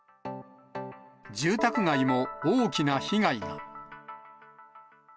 住宅街も大きな被害が。